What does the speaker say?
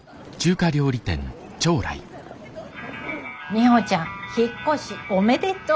ミホちゃん引っ越しおめでとう。